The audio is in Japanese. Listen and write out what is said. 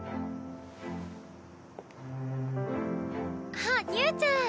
あっ侑ちゃん